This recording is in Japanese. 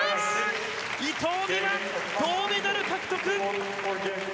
伊藤美誠、銅メダル獲得！